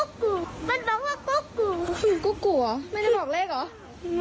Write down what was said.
เกาะกรูเข้าสมัยไม่ได้บอกเลขหรอ